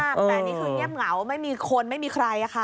แต่นี่คือเงียบเหงาไม่มีคนไม่มีใครค่ะ